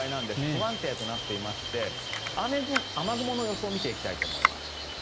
不安定となっていまして雨雲の予想を見ていきたいと思います。